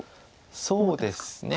そうですね。